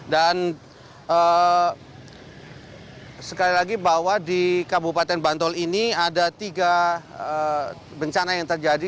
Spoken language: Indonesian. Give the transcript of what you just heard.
dan sekali lagi bahwa di kabupaten bantul ini ada tiga bencana yang terjadi